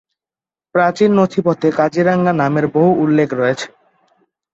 প্রাচীন নথিপত্রে কাজিরাঙ্গা নামের বহু উল্লেখ রয়েছে।